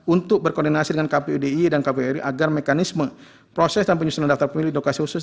untuk berkoordinasi dengan kpudi dan kpuri agar mekanisme proses dan penyusunan daftar pemilih di lokasi khusus